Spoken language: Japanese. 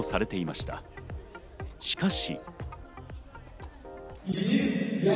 しかし。